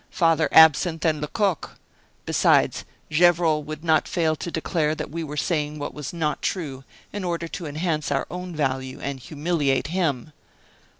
Father Absinthe and Lecoq. Besides, Gevrol would not fail to declare that we were saying what was not true, in order to enhance our own value, and humiliate him."